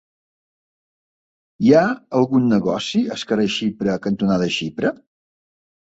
Hi ha algun negoci al carrer Xipre cantonada Xipre?